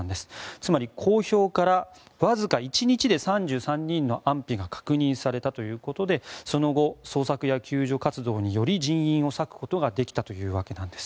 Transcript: つまり、公表からわずか１日で３３人の安否が確認されたということでその後、捜索や救助活動により人員を割くことができたということなんです。